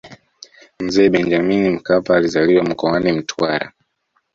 mzee benjamini mkapa alizaliwa mkoani mtwara